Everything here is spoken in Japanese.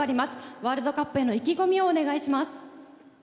ワールドカップへの意気込みをお願いします。